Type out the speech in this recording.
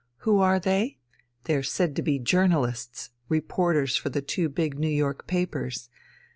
Who are they? They are said to be journalists, reporters, for two big New York papers.